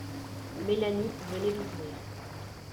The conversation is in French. Mélanie venait d'ouvrir.